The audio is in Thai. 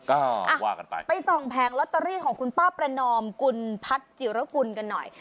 ก็ว่ากันไปไปส่องแผงลอตเตอรี่ของคุณป้าประนอมกุลพัฒน์จิรกุลกันหน่อย